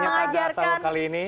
informasinya pada selalu kali ini